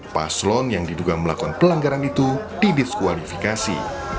paslon yang diduga melakukan pelanggaran itu didiskualifikasi